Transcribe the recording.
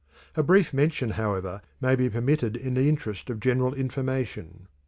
A brief mention, however, may be permitted in the interest of general information.